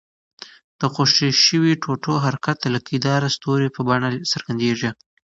د خوشي شوي ټوټو حرکت د لکۍ داره ستوري په بڼه څرګندیږي.